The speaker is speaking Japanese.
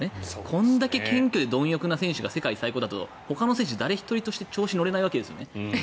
こんだけ謙虚で貪欲な選手が世界最高だと、ほかの選手誰一人調子に乗れないわけですよね。